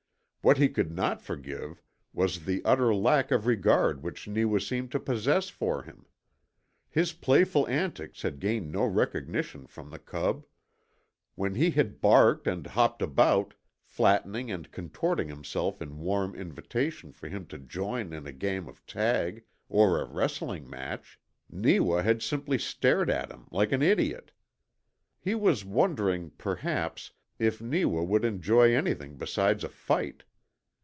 What he could not forgive was the utter lack of regard which Neewa seemed to possess for him. His playful antics had gained no recognition from the cub. When he had barked and hopped about, flattening and contorting himself in warm invitation for him to join in a game of tag or a wrestling match, Neewa had simply stared at him like an idiot. He was wondering, perhaps, if Neewa would enjoy anything besides a fight.